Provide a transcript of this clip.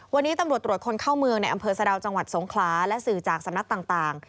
วันนี้ตำรวจตรวจคนเข้าเมืองในอำเภอสะดาวจังหวัดสงขลาและสื่อจากสำนักต่าง